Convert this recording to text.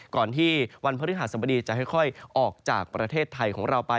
ก่อนที่วันพฤหัสบดีจะค่อยออกจากประเทศไทยของเราไป